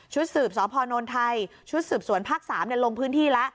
สืบสพนไทยชุดสืบสวนภาค๓ลงพื้นที่แล้ว